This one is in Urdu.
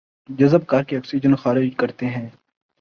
جذب کرکے آکسیجن خارج کرتے ہیں